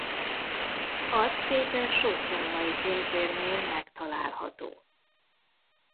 Arcképe sok római pénzérmén megtalálható.